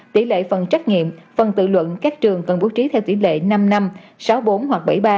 tỷ lệ phần trách nghiệm phần tự luận các trường cần bố trí theo tỷ lệ năm năm sáu bốn hoặc bảy ba